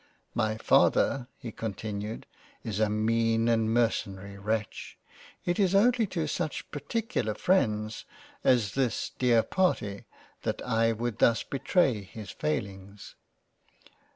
" My Father (he continued) is a mean and mercena wretch — it is only to such particular freinds as this Dear Par that I would thus betray his failings.